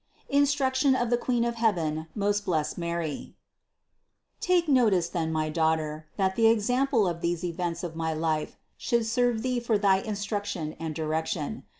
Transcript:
INSTRUCTION OF THE QUEEN OF HEAVEN, MOST BLESSED MARY. 709. Take notice then, my Daughter, that the ex ample of these events of my life should serve thee for thy instruction and direction.